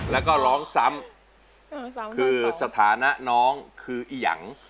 แล้วก็ร้องซ้ำคือสถานะน้องคืออียัง